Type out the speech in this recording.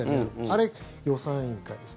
あれ、予算委員会です。